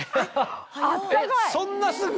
えっそんなすぐ？